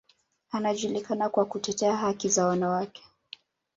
Anajulikana kwa kutetea haki za wanawake.